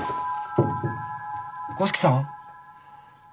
五色さん。